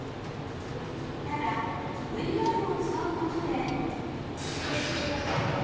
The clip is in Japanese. ただ、ＶＲを使うことで。